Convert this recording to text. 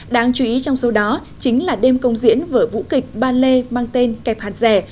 đáng chú ý trong số đó chính là đêm công diễn vở vũ kịch ba lê mang tên kẹp hạt rẻ